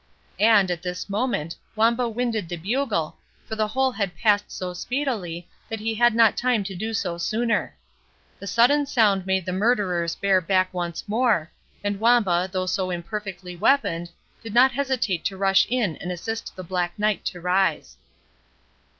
And at this moment, Wamba winded the bugle, for the whole had passed so speedily, that he had not time to do so sooner. The sudden sound made the murderers bear back once more, and Wamba, though so imperfectly weaponed, did not hesitate to rush in and assist the Black Knight to rise.